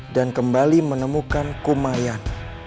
dan kembali menemukan kumayan